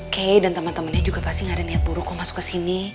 kay dan temen temennya juga pasti gak ada niat buruk kok masuk kesini